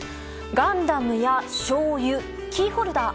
ガンダムやしょうゆキーホルダー。